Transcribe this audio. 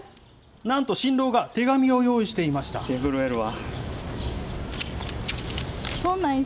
なんと、新郎が手紙を用意し手、震えるわ。